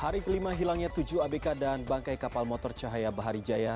hari kelima hilangnya tujuh abk dan bangkai kapal motor cahaya bahari jaya